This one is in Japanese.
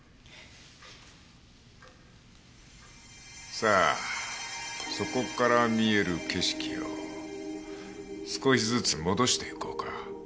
さあそこから見える景色を少しずつ戻していこうか。